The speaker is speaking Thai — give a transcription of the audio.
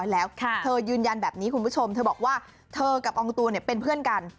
แล้วเธอยืนยันแบบนี้คุณผู้ชมเธอกับองตวนเป็นเพื่อนกัน